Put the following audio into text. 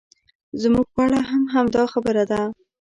زموږ په اړه هم همدا خبره ده.